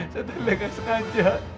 saya telah disengaja